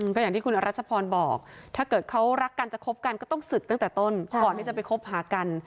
ก็อย่างที่คุณอรัชพรบอกถ้าเกิดเขารักกันจะคบกันก็ต้องศึกตั้งแต่ต้นก่อนที่จะไปคบหากัน